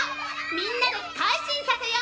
みんなで改心させよう！